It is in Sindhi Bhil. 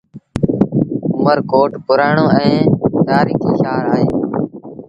اُمر ڪوٽ پُرآڻو ائيٚݩ تآريٚکي شآهر اهي